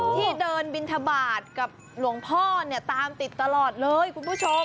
ที่เดินบินทบาทกับหลวงพ่อเนี่ยตามติดตลอดเลยคุณผู้ชม